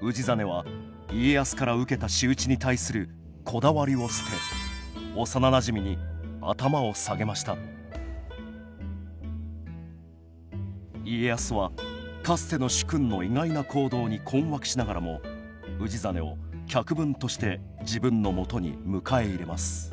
氏真は家康から受けた仕打ちに対するこだわりを捨て幼なじみに頭を下げました家康はかつての主君の意外な行動に困惑しながらも氏真を客分として自分のもとに迎え入れます